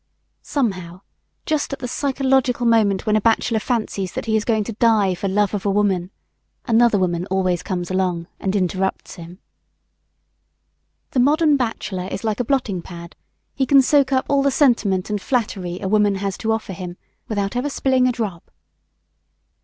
SOMEHOW, JUST AT THE PSYCHOLOGICAL MOMENT WHEN A BACHELOR FANCIES THAT HE IS GOING TO DIE FOR LOVE OF A WOMAN, ANOTHER WOMAN ALWAYS COMES ALONG AND INTERRUPTS HIM [Illustration: ... and interrupts him.] BACHELORS THE modern bachelor is like a blotting pad; he can soak up all the sentiment and flattery a woman has to offer him, without ever spilling a drop.